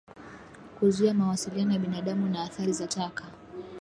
Kuzuia mawasiliano ya binadamu na athari za taka